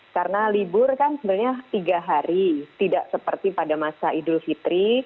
karena libur kan sebenarnya tiga hari tidak seperti pada masa idul fitri